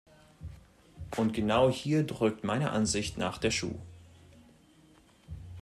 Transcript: Und genau hier drückt meiner Ansicht nach der Schuh.